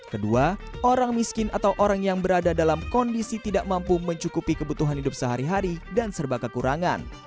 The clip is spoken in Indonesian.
kedua orang miskin atau orang yang berada dalam kondisi tidak mampu mencukupi kebutuhan hidup sehari hari dan serba kekurangan